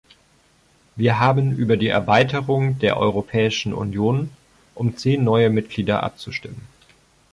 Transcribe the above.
Wir haben über die Erweiterung der Europäischen Union um zehn neue Mitglieder abzustimmen.